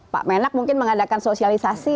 pak menak mungkin mengadakan sosialisasi